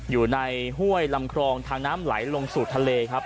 อยู่ในห้วยลำครองทางน้ำไหลลงสู่ทะเลครับ